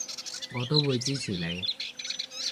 我都會支持你